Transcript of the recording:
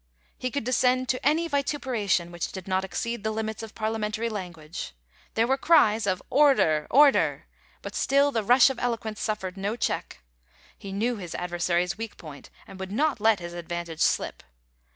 He could descend to any vituperation which did not exceed the limits of Parliamentary language. There were cries of * Order, order,* but still the rush of eloquence suffered no check. He knew his adversary's weak point, and would not let his advantage slip.